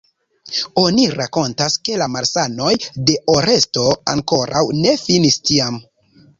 Oni rakontas ke la malsanoj de Oresto ankoraŭ ne finis tiam.